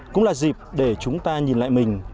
cũng là dịp để chúng ta nhìn lại mình